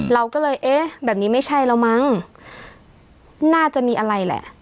เราก็เลยเอ๊ะแบบนี้ไม่ใช่แล้วมั้งน่าจะมีอะไรแหละ